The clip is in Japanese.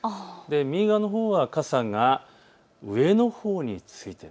右側のほうは傘が上のほうにうつっている。